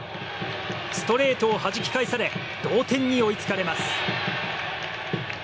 ストレートをはじき返され同点に追いつかれます。